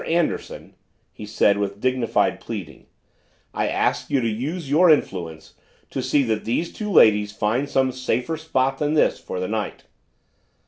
Anderson," he said with dignified pleading, "I ask you to use your influence, to see that these two ladies find some safer spot than this for the night."